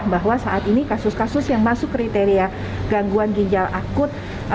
bahwa saat ini kasus kasus yang masuk kriteria gangguan ginjal akut